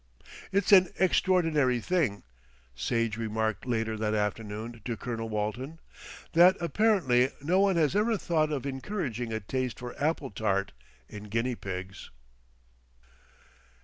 "It's an extraordinary thing," Sage remarked later that afternoon to Colonel Walton, "that apparently no one has ever thought of encouraging a taste for apple tart in guinea pigs."